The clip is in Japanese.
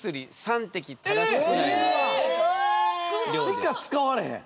しか使われへん。